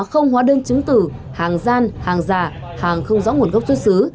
không hóa đơn chứng tử hàng gian hàng giả hàng không rõ nguồn gốc xuất xứ